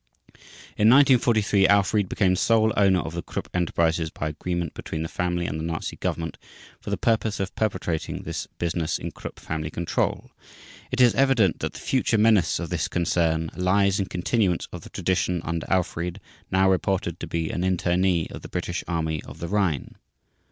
In 1943 Alfried became sole owner of the Krupp enterprises by agreement between the family and the Nazi Government, for the purpose of perpetuating this business in Krupp family control. It is evident that the future menace of this concern lies in continuance of the tradition under Alfried, now reported to be an internee of the British Army of the Rhine.